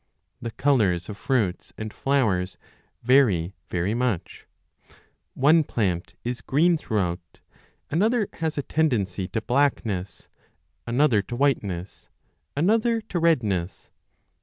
The colours of fruits and flowers vary very much. One plant is green throughout, another has a tendency to blackness, another 20 to whiteness, another to redness.